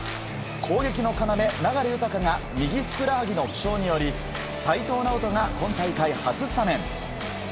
攻撃の要、流大が右ふくらはぎの負傷により齋藤直人が今大会初スタメン。